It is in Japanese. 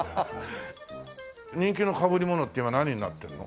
人気のかぶりものって今何になってるの？